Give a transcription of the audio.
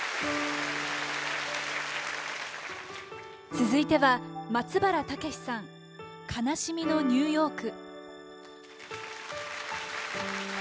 続いては松原健之さん「悲しみのニューヨーク」。